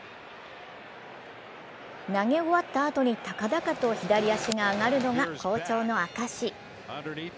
投げ終わったあとに高々と左足が上がるのが好調の証し。